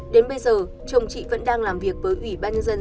đến bây giờ chồng chị vẫn đang làm việc với ủy ban nhân dân